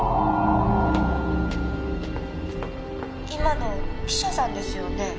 今の記者さんですよね？